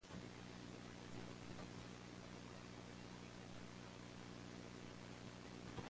The Williams City Council is the city's legislative body.